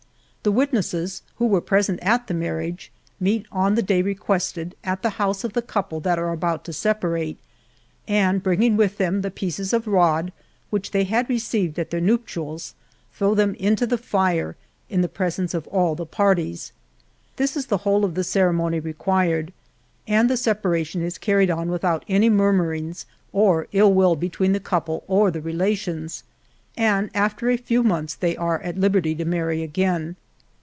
The witnesses, who were present at the marriage, meet on the day requested, at the house of the couple that are about to separate, and bringing with them the pieces of rod which they had received at their nuptials, throw them into the fire in the presence of all the parties. This is the whole of the ceremony required, and the separ ation is carried on without any murmurings, or ill will be tween the couple or the relations; and after a few months they are at liberty to marry again.